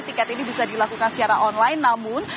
tiket ini bisa dilakukan secara online namun